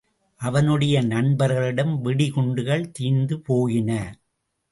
அவனுடைய நண்பர்களிடம் வெடிகுண்டுகள் தீர்ந்துபோயின.